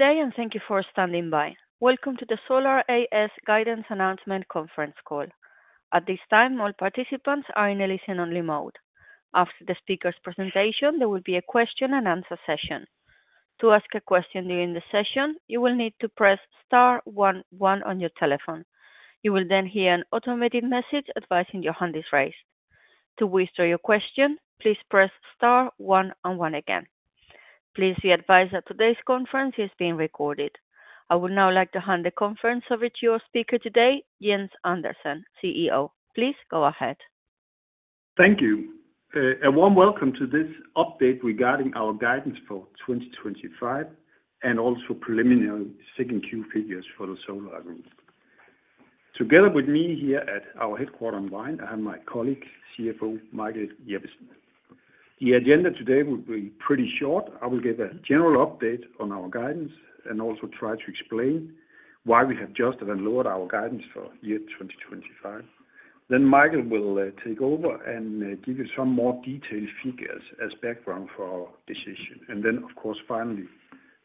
Diane, thank you for standing by. Welcome to the Solar A/S Guidance Announcement Conference Call. At this time, all participants are in a listen-only mode. After the speaker's presentation, there will be a question-and-answer session. To ask a question during the session, you will need to press star one one on your telephone. You will then hear an automated message advising your hand is raised. To withdraw your question, please press star one once again. Please be advised that today's conference is being recorded. I will now like to hand the conference over to our speaker today, Jens Andersen, CEO. Please go ahead. Thank you, and warm welcome to this update regarding our guidance for 2025 and also preliminary second-quarter figures for the Solar. Together with me here at our headquarters in Vejen, I have my colleague, CFO Michael Jeppesen. The agenda today will be pretty short. I will give a general update on our guidance and also try to explain why we have just even lowered our guidance for year 2025. Michael will take over and give you some more detailed figures as background for our decision. Of course, finally,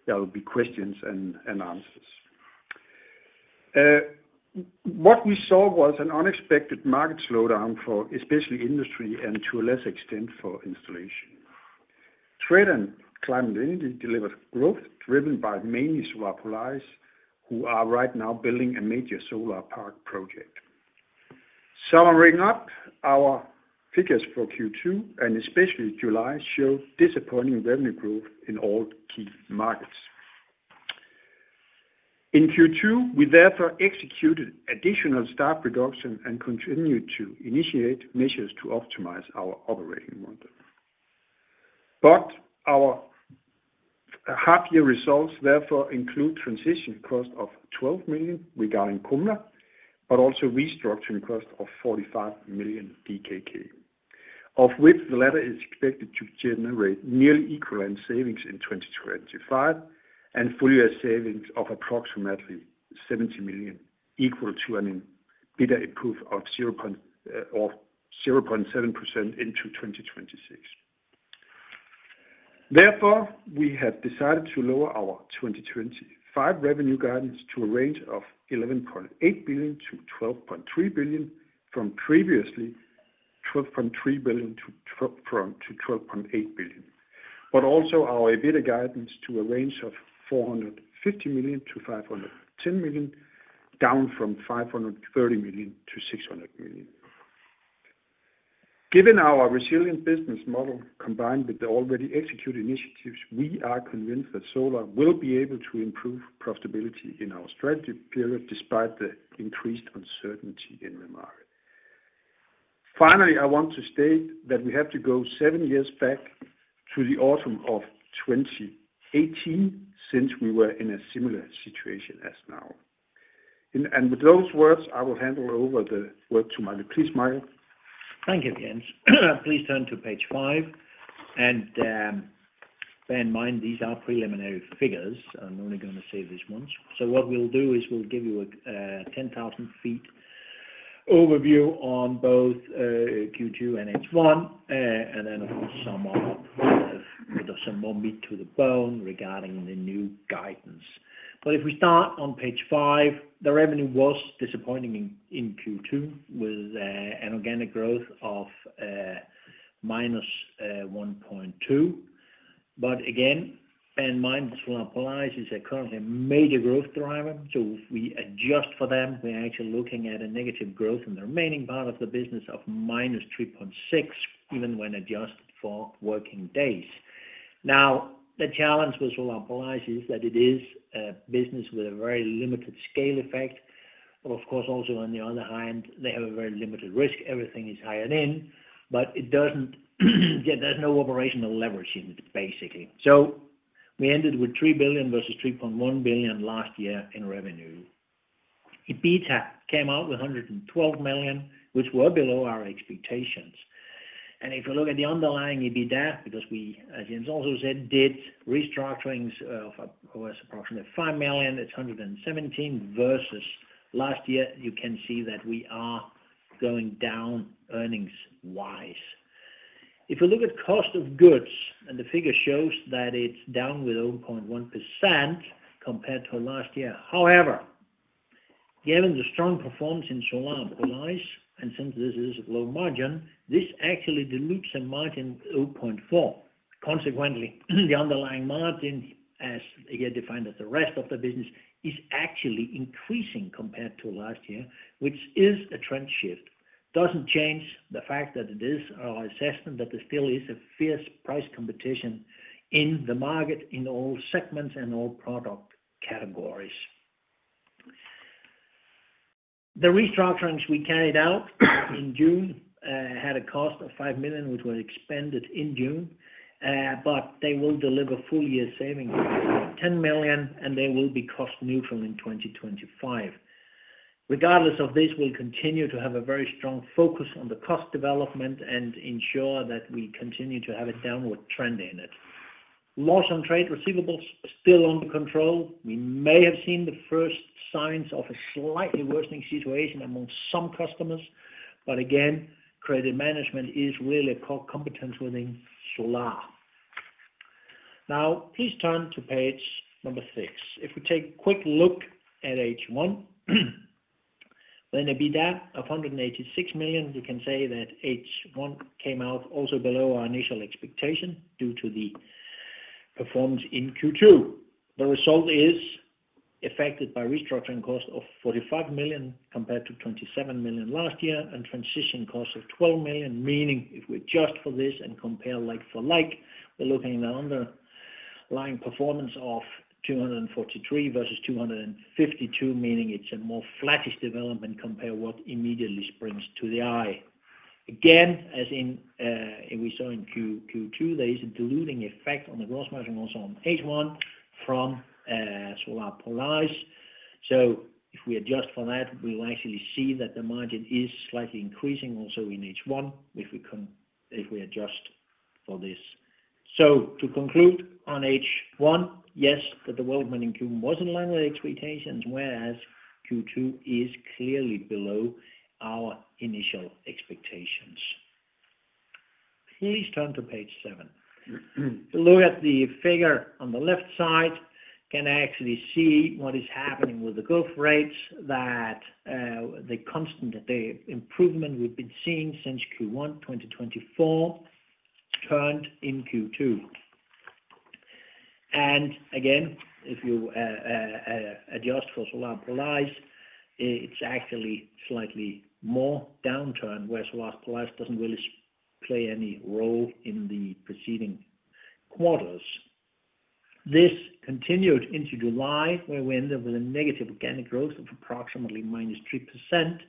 there will be questions and answers. What we saw was an unexpected market slowdown for especially industry and to a lesser extent for installation. Sweden's climate energy delivered growth driven by mainly Solar Polaris, who are right now building a major solar park project. Summing up, our figures for Q2 and especially July showed disappointing revenue growth in all key markets. In Q2, we therefore executed additional staff reduction and continued to initiate measures to optimize our operating model. Our half-year results therefore include transition costs of 12 million regarding Kumla, but also restructuring costs of 45 million DKK, of which the latter is expected to generate nearly equivalent savings in 2025 and fully as savings of approximately 70 million, equal to an improvement of 0.7% into 2026. Therefore, we have decided to lower our 2025 revenue guidance to a range of 11.8 billion-12.3 billion, from previously 12.3 billion-12.8 billion. Also our EBITDA guidance to a range of 450 million-510 million, down from 530 million-600 million. Given our resilient business model combined with the already executed initiatives, we are convinced that Solar will be able to improve profitability in our strategy period despite the increased uncertainty in the market. Finally, I want to state that we have to go seven years back to the autumn of 2018 since we were in a similar situation as now. With those words, I will hand over the work to Michael. Please, Michael? Thank you, Jens. Please turn to page five and bear in mind these are preliminary figures. I'm only going to say this once. What we'll do is give you a 10,000 feet overview on both Q2 and H1, and then it'll be some more meat to the bone regarding the new guidance. If we start on page five, the revenue was disappointing in Q2 with an organic growth of -1.2%. Again, bear in mind Solar Polaris is currently a major growth driver. If we adjust for them, we're actually looking at a negative growth in the remaining part of the business of -3.6%, even when adjusted for working days. The challenge with Solar Polaris is that it is a business with a very limited scale effect. Of course, also on the other hand, they have a very limited risk. Everything is higher in, but it doesn't, yeah, there's no operational leverage in it, basically. We ended with 3 billion versus 3.1 billion last year in revenue. EBITDA came out with 112 million, which was below our expectations. If you look at the underlying EBITDA, because we, as Jens also said, did restructurings, it was approximately 5 million. It's 117 million versus last year. You can see that we are going down earnings-wise. If we look at cost of goods, the figure shows that it's down 0.1% compared to last year. However, given the strong performance in Solar Polaris, and since this is a low margin, this actually dilutes the margin 0.4%. Consequently, the underlying margin, as you define as the rest of the business, is actually increasing compared to last year, which is a trend shift. It doesn't change the fact that it is our assessment that there still is a fierce price competition in the market in all segments and all product categories. The restructurings we carried out in June had a cost of 5 million, which was expended in June, but they will deliver full year savings of 10 million, and they will be cost neutral in 2025. Regardless of this, we'll continue to have a very strong focus on the cost development and ensure that we continue to have a downward trend in it. Loss on trade receivables is still under control. We may have seen the first signs of a slightly worsening situation among some customers. Again, credit management is really a core competence within Solar. Now, please turn to page number six. If we take a quick look at H1, then EBITDA of 186 million, you can say that H1 came out also below our initial expectation due to the performance in Q2. The result is affected by restructuring costs of 45 million compared to 27 million last year and transition costs of 12 million, meaning if we adjust for this and compare like for like, we're looking at an underlying performance of 243 million versus 252 million, meaning it's a more flattish development compared to what immediately springs to the eye. Again, as we saw in Q2, there is a diluting effect on the gross margin also on H1 from Solar Polaris. If we adjust for that, we'll actually see that the margin is slightly increasing also in H1 if we adjust for this. To conclude, on H1, yes, the world money cube was in line with expectations, whereas Q2 is clearly below our initial expectations. Please turn to page seven. Look at the figure on the left side. You can actually see what is happening with the growth rates, that the constant improvement we've been seeing since Q1 2024 turned in Q2. If you adjust for Solar Polaris, it's actually slightly more downturn where Solar Polaris doesn't really play any role in the preceding quarters. This continued into July, where we ended with a negative organic growth of approximately -3%.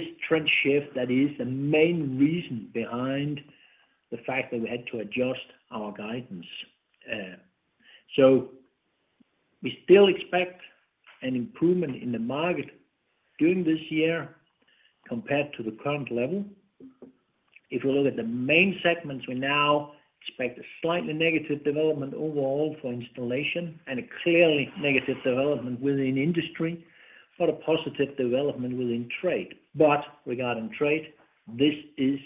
This trend shift is the main reason behind the fact that we had to adjust our guidance. We still expect an improvement in the market during this year compared to the current level. If we look at the main segments, we now expect a slightly negative development overall for installation and a clearly negative development within industry, for the positive development within trade. Regarding trade, this is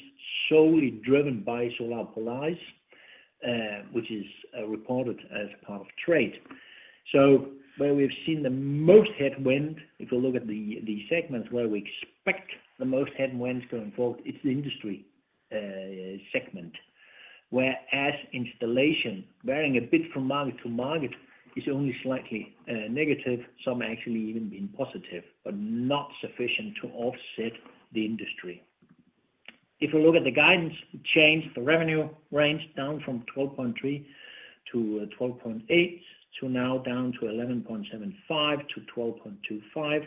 solely driven by Solar Polaris, which is reported as part of trade. Where we've seen the most headwind, if you look at the segments where we expect the most headwinds going forward, it's the industry segment, whereas installation, varying a bit from market to market, is only slightly negative. Some actually even being positive, but not sufficient to offset the industry. If we look at the guidance, it changed the revenue range down from 12.3 billion-12.8 billion to now down to 11.75 billion-12.25 billion.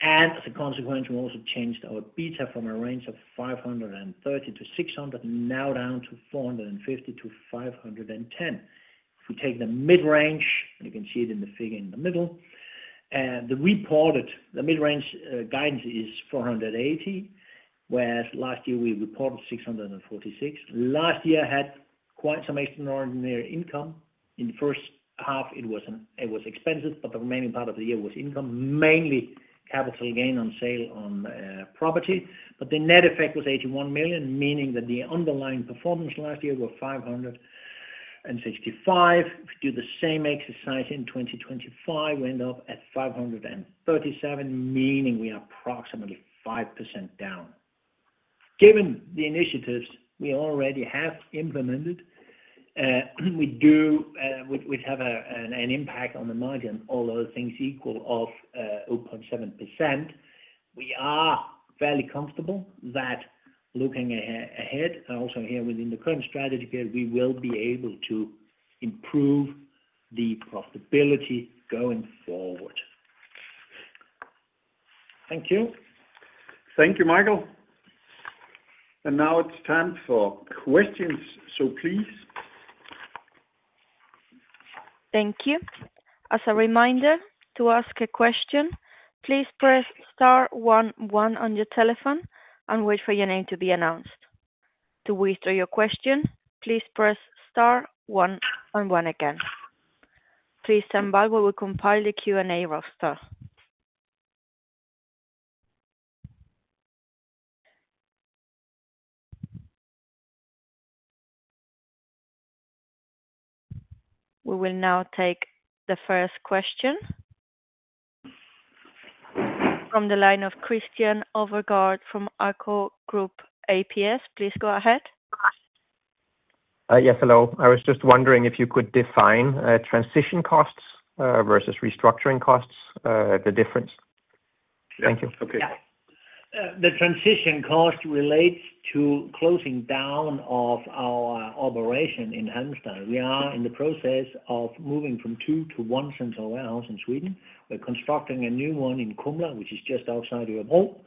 As a consequence, we also changed our EBITDA from a range of 530 million-600 million, now down to 450 million-510 million. If we take the mid-range, and you can see it in the figure in the middle, the mid-range guidance is 480 million, whereas last year we reported 646 million. Last year had quite some extraordinary income. In the first half, it was expensive, but the remaining part of the year was income, mainly capital gain on sale on property. The net effect was 81 million, meaning that the underlying performance last year was 565 million. If we do the same exercise in 2025, we end up at 537 million, meaning we are approximately 5% down. Given the initiatives we already have implemented, we do have an impact on the margin, all other things equal, of 0.7%. We are fairly comfortable that looking ahead, and also here within the current strategy period, we will be able to improve the profitability going forward. Thank you. Thank you, Michael. It is time for questions, so please. Thank you. As a reminder, to ask a question, please press star one one on your telephone and wait for your name to be announced. To withdraw your question, please press star one once again. Please stand by as we will compile the Q&A roster. We will now take the first question from the line of Christian Overgaard from ACCO Group ApS. Please go ahead. Yes, hello. I was just wondering if you could define transition costs versus restructuring costs, the difference. Thank you. Yes. Okay. The transition cost relates to closing down of our operation in Halmstad. We are in the process of moving from two to one central warehouse in Sweden. We're constructing a new one in Kumla, which is just outside of the mall.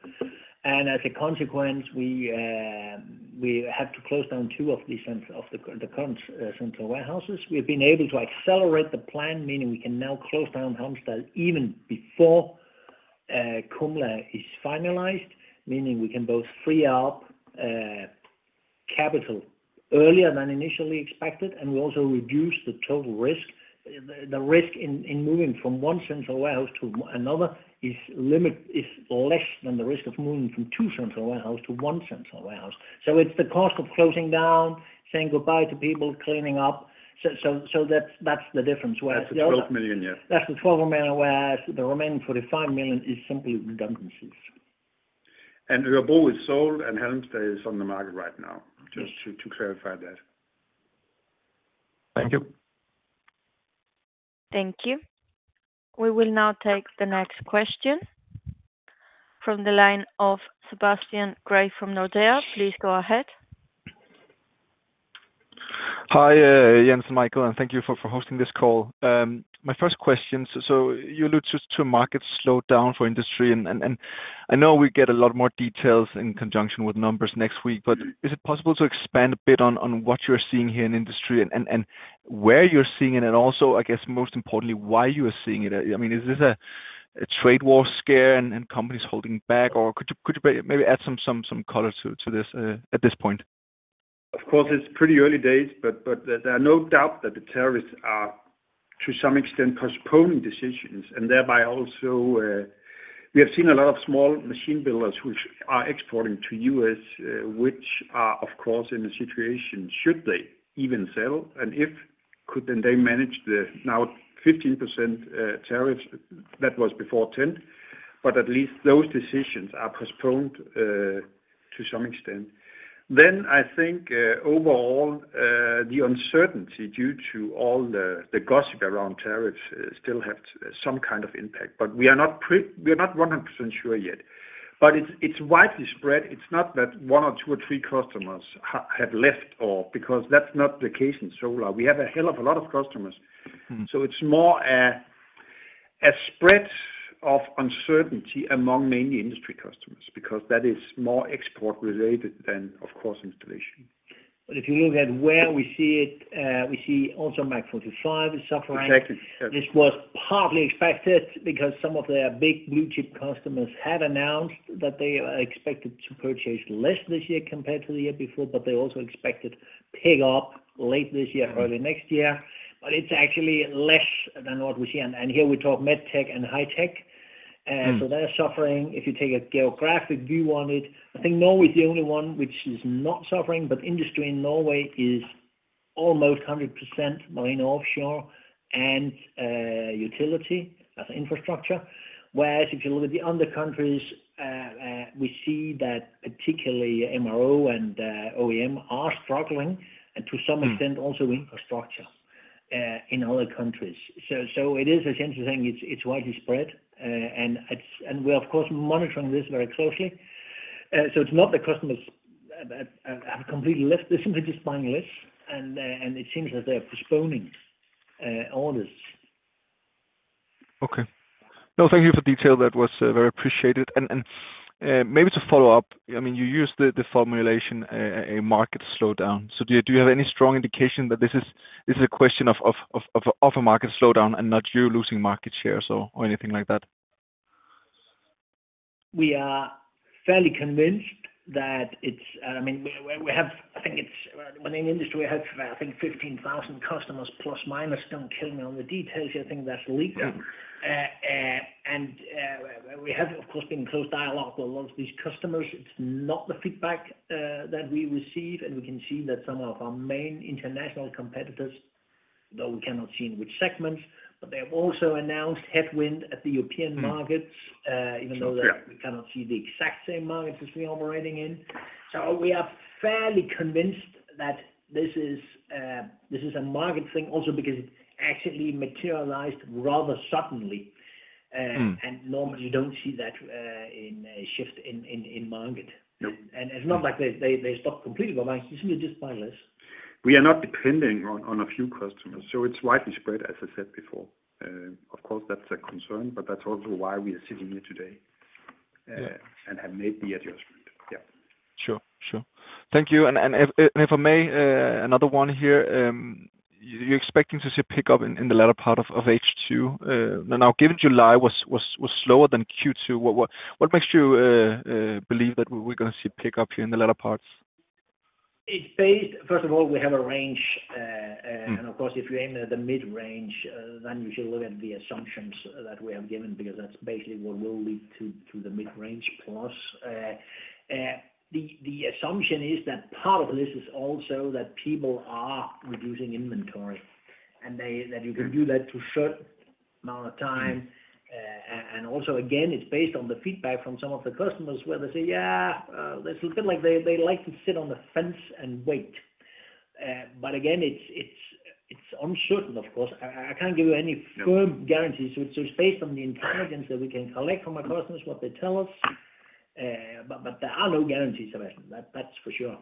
As a consequence, we had to close down two of the central warehouses. We've been able to accelerate the plan, meaning we can now close down Halmstad even before Kumla is finalized, meaning we can both free up capital earlier than initially expected, and we also reduce the total risk. The risk in moving from one central warehouse to another is less than the risk of moving from two central warehouses to one central warehouse. It's the cost of closing down, saying goodbye to people, cleaning up. That's the difference. Whereas the 12 million, yes. That's the 12 million, whereas the remaining 45 million is simply redundancies. is sold, and Halmstad is on the market right now, just to clarify that. Thank you. Thank you. We will now take the next question from the line of Sebastian Grave from Nordea. Please go ahead. Hi, Jens and Michael, and thank you for hosting this call. My first question, you alluded to a market slowdown for industry, and I know we get a lot more details in conjunction with numbers next week, but is it possible to expand a bit on what you're seeing here in industry and where you're seeing it, and also, I guess, most importantly, why you are seeing it? Is this a trade war scare and companies holding back, or could you maybe add some color to this at this point? Of course, it's pretty early days, but there are no doubts that the tariffs are, to some extent, postponing decisions. Thereby also, we have seen a lot of small machine builders who are exporting to the U.S., which are, of course, in a situation, should they even sell? If they could, then they manage the now 15% tariffs that was before 10%. At least those decisions are postponed to some extent. I think overall, the uncertainty due to all the gossip around tariffs still has some kind of impact, but we are not 100% sure yet. It's widely spread. It's not that one or two or three customers have left because that's not the case in Solar. We have a hell of a lot of customers. It's more a spread of uncertainty among mainly industry customers because that is more export-related than, of course, installation. If you look at where we see it, we see also MAC 45, the software. Exactly. This was partly expected because some of the big blue-chip customers have announced that they are expected to purchase less this year compared to the year before, but they're also expected to take up late this year, early next year. It's actually less than what we see. Here we talk medtech and high tech, so they're suffering. If you take a geographic view on it, I think Norway is the only one which is not suffering, but industry in Norway is almost 100% marine offshore and utility as an infrastructure. Whereas if you look at the other countries, we see that particularly MRO and OEM are struggling, and to some extent also infrastructure in other countries. It is a sense of saying it's widely spread, and we're, of course, monitoring this very closely. It's not that customers have completely left this image spineless, and it seems that they're postponing orders. Thank you for the detail. That was very appreciated. Maybe to follow up, you use the formulation a market slowdown. Do you have any strong indication that this is a question of a market slowdown and not you losing market shares or anything like that? We are fairly convinced that it's, I mean, we have, I think it's when an industry has, I think, 15,000 customers plus minus, don't kill me on the details. I think that's legal. We have, of course, been in close dialogue with a lot of these customers. It's not the feedback that we receive, and we can see that some of our main international competitors, though we cannot see in which segments, have also announced headwind at the European markets, even though we cannot see the exact same markets as we are operating in. We are fairly convinced that this is a market thing also because it actually materialized rather suddenly. Normally, you don't see that in a shift in market. It's not like they stopped completely, but I see it is fine. We are not depending on a few customers. It's widely spread, as I said before. Of course, that's a concern, which is also why we are sitting here today and have made the adjustment. Yeah. Sure. Thank you. If I may, another one here, you're expecting to see a pickup in the latter part of H2. Now, given July was slower than Q2, what makes you believe that we're going to see a pickup here in the latter part? First of all, we have a range. Of course, if you enter the mid-range, then you should look at the assumptions that we have given because that's basically what will lead to the mid-range plus. The assumption is that part of this is also that people are reducing inventory and that you can do that for a certain amount of time. Also, it's based on the feedback from some of the customers where they say, "Yeah, it's a little bit like they like to sit on the fence and wait." Again, it's uncertain, of course. I can't give you any firm guarantees. It's based on the intelligence that we can collect from our customers, what they tell us. There are no guarantees about that, that's for sure.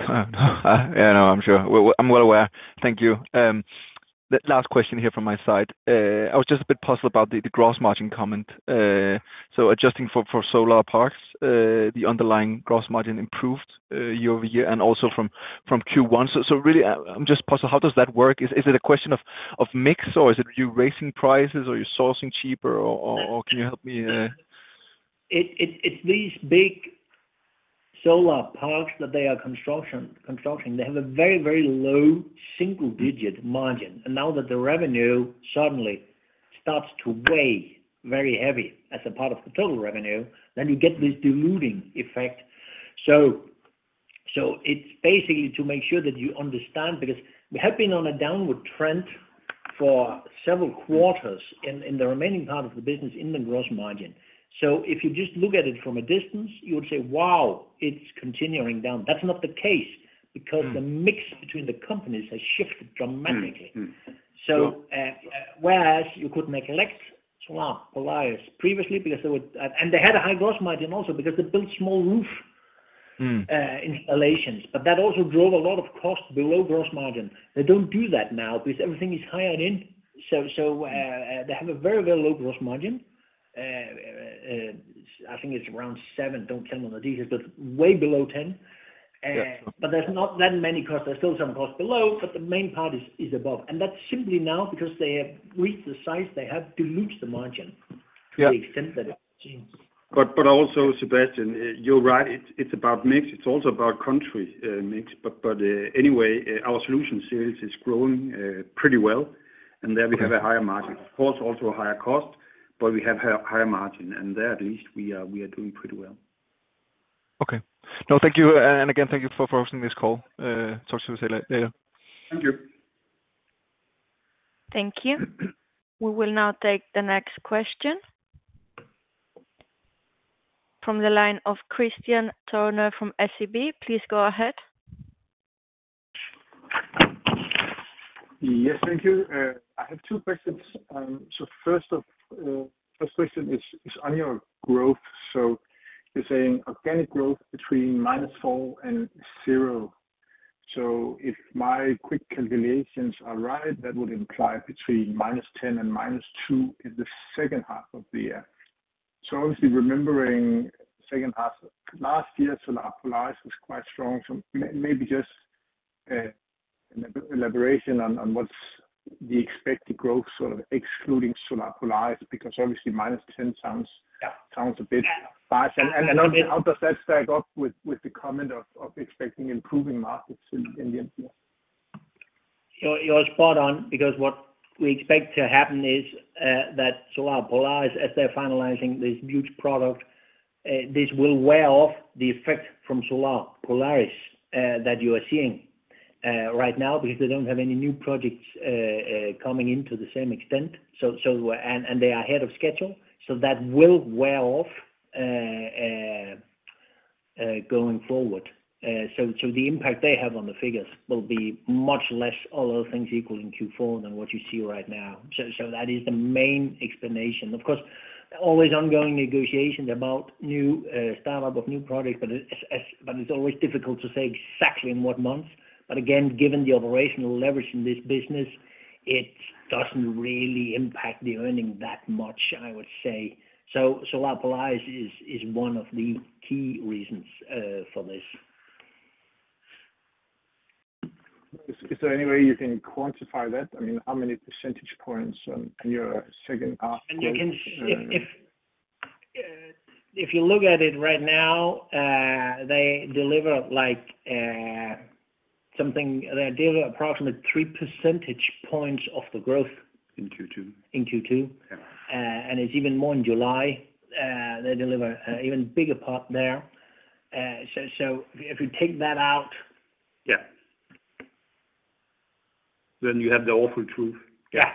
I'm well aware. Thank you. The last question here from my side. I was just a bit puzzled about the gross margin comment. Adjusting for solar parks, the underlying gross margin improved year over year and also from Q1. I'm just puzzled. How does that work? Is it a question of mix or is it you raising prices or you're sourcing cheaper or can you help me? It's these big solar parks that they are constructing. They have a very, very low single-digit margin. Now that the revenue suddenly starts to weigh very heavy as a part of the total revenue, you get this diluting effect. It's basically to make sure that you understand because we have been on a downward trend for several quarters in the remaining part of the business in the gross margin. If you just look at it from a distance, you would say, "Wow, it's continuing down." That's not the case because the mix between the companies has shifted dramatically. Whereas you couldn't collect Solar Polaris previously because they would, and they had a high gross margin also because they built small roof installations. That also drove a lot of costs below gross margin. They don't do that now because everything is higher in. They have a very, very low gross margin. I think it's around 7%. Don't tell me on the details, but it's way below 10%. There's not that many costs. There's still some costs below, but the main part is above. That's simply now because they have reached the size, they have diluted the margin to the extent that it's changed. Sebastian, you're right. It's about mix. It's also about country mix. Our solutions series is growing pretty well, and there we have a higher margin. Of course, also a higher cost, but we have a higher margin. There at least we are doing pretty well. Okay, no, thank you. Thank you for hosting this call. Talk to you later. Thank you. We will now take the next question from the line of Kristian Tornøe from SEB. Please go ahead. Yes, thank you. I have two questions. First up, the first question is on your growth. You're saying organic growth between -4% and 0%. If my quick calculations are right, that would imply between -10% and -2% in the second half of the year. Obviously, remembering the second half last year, Solar Polaris was quite strong. Maybe just an elaboration on what's the expected growth sort of excluding Solar Polaris because obviously -10% sounds a bit fast. How does that stack up with the comment of expecting improving markets in the? You're spot on because what we expect to happen is that Solar Polaris, as they're finalizing this huge product, this will wear off the effect from Solar Polaris that you are seeing right now because they don't have any new projects coming in to the same extent. They are ahead of schedule. That will wear off going forward. The impact they have on the figures will be much less, all other things equal, in Q4 than what you see right now. That is the main explanation. Of course, always ongoing negotiations about new startup of new products, but it's always difficult to say exactly in what months. Again, given the operational leverage in this business, it doesn't really impact the earning that much, I would say. Solar Polaris is one of the key reasons for this. Is there any way you can quantify that? I mean, how many percentage points in your second half? If you look at it right now, they deliver approximately 3% of the growth. In Q2. In Q2, yeah, and it's even more in July. They deliver an even bigger part there. If you take that out. Yeah, you have the awful truth. Yeah.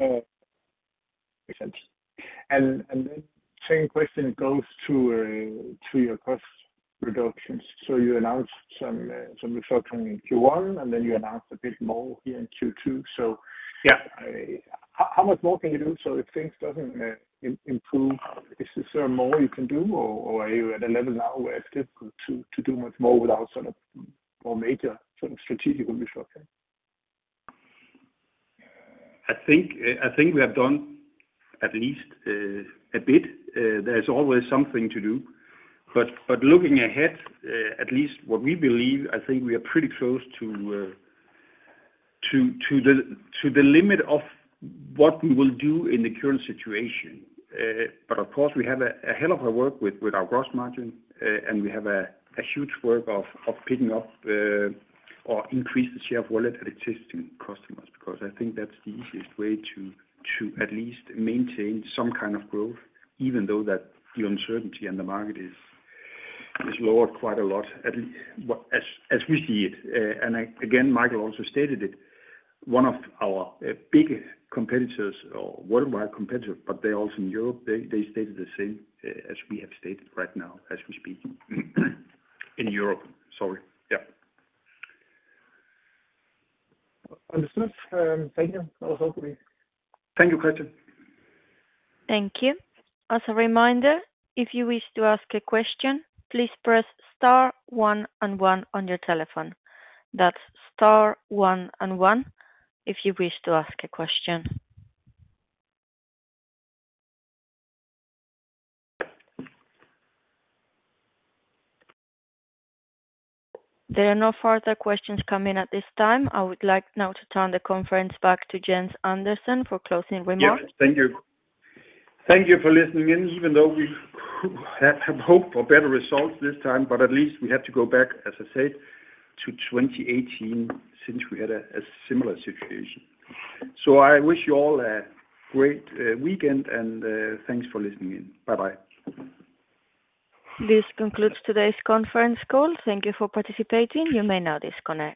Makes sense. The second question goes to your cost reductions. You announced some restructuring in Q1, and then you announced a bit more here in Q2. How much more can you do? If things don't improve, is there more you can do, or are you at a level now where it's difficult to do much more without more major strategic? I think we have done at least a bit. There's always something to do. Looking ahead, at least what we believe, I think we are pretty close to the limit of what we will do in the current situation. Of course, we have a hell of a work with our gross margin, and we have a huge work of picking up or increasing the share of wallet at existing customers because I think that's the easiest way to at least maintain some kind of growth, even though the uncertainty in the market is lowered quite a lot, at least as we see it. Michael also stated it. One of our big competitors or worldwide competitors, but they're also in Europe, stated the same as we have stated right now as we speak in Europe. Sorry. Yeah, understood. Thank you. That was all for me. Thank you, Kristian. Thank you. As a reminder, if you wish to ask a question, please press star one on your telephone. That's star one if you wish to ask a question. There are no further questions coming in at this time. I would like now to turn the conference back to Jens Andersen for closing remarks. Thank you. Thank you for listening in, even though we hope for better results this time. At least we had to go back, as I said, to 2018 since we had a similar situation. I wish you all a great weekend, and thanks for listening in. Bye-bye. This concludes today's conference call. Thank you for participating. You may now disconnect.